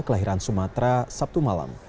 kelahiran sumatera sabtu malam